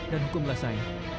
dan hukumlah saya